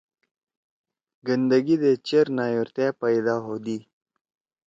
گندگی دے چیر نایورتیا پیدا ہودی۔